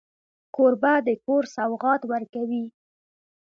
کوربه د کور سوغات ورکوي.